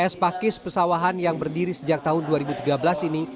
es pakis pesawahan yang berdiri sejak tahun dua ribu tiga belas ini